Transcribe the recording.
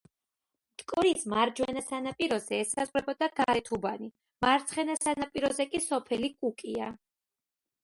მტკვრის მარჯვენა სანაპიროზე ესაზღვრებოდა გარეთუბანი, მარცხენა სანაპიროზე კი სოფელი კუკია.